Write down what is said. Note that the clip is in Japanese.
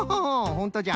ほんとじゃ。